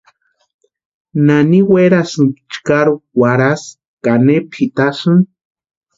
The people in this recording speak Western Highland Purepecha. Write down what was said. ¿Nani werasïnki chkari warhasï ka ne pʼitasïni?